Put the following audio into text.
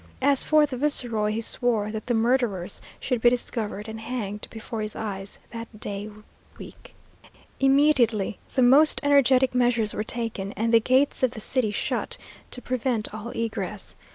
As for the viceroy, he swore that the murderers should be discovered, and hanged before his eyes, that day week. Immediately the most energetic measures were taken, and the gates of the city shut, to prevent all egress.